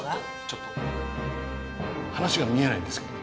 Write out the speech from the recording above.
ちょっとちょっと話が見えないんですけど。